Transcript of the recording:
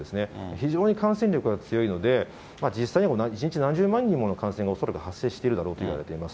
非常に感染力が強いので、実際に１日何十万人もの感染が恐らく発生しているだろうといわれています。